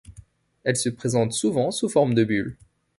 Elles se présentent souvent sous forme de bulles.